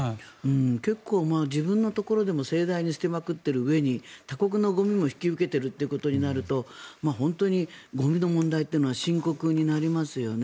結構自分のところでも盛大に捨てまくっているうえに他国のゴミを引き受けてるってことになると本当にゴミの問題っていうのは深刻になりますよね。